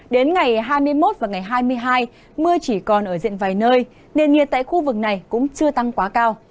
đến ngày hai mươi một và ngày hai mươi hai mưa chỉ còn ở diện vài nơi nền nhiệt tại khu vực này cũng chưa tăng quá cao